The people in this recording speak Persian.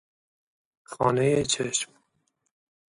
خانۀ چشم